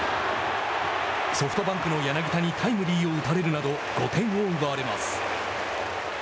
ソフトバンクの柳田にタイムリーを打たれるなど５点を奪われます。